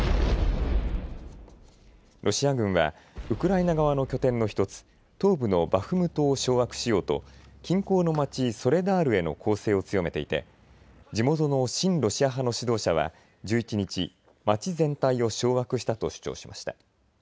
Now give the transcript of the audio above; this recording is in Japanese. ロシア軍はウクライナ側の拠点の１つ、東部のバフムトを掌握しようと近郊の町ソレダールへの攻勢を強めていて地元の親ロシア派の指導者は１１日、町全体を掌握したと主張しました。